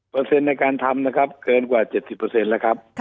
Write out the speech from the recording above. เปอร์เซ็นต์ในการทำนะครับเกินกว่า๗๐เปอร์เซ็นต์แล้วครับ